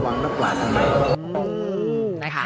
เป็นสิ่งที่เราหวังนักหลานทั้งหมด